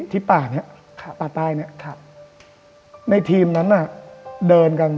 ที่ป่าในทีมนั้นเดินกัน